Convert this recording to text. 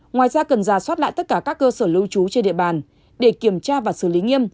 ngoài ra cần giả soát lại tất cả các cơ sở lưu trú trên địa bàn để kiểm tra và xử lý nghiêm